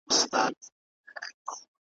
ستړی کړی مي خپل ځان کور په راحت دی `